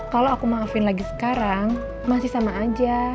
kalau aku maafin lagi sekarang masih sama aja